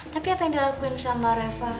tapi apa yang dilakuin sama reva